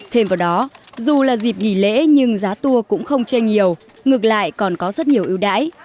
thêm vào đó dù là dịp nghỉ lễ nhưng giá tour cũng không chơi nhiều ngược lại còn có rất nhiều ưu đãi